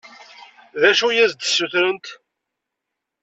D acu i as-d-ssutrent?